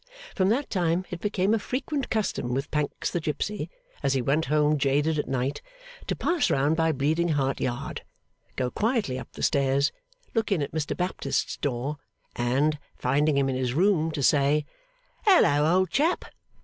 From that time it became a frequent custom with Pancks the gipsy, as he went home jaded at night, to pass round by Bleeding Heart Yard, go quietly up the stairs, look in at Mr Baptist's door, and, finding him in his room, to say, 'Hallo, old chap!